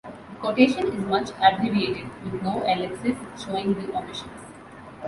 The quotation is much abbreviated, with no ellipses showing the omissions.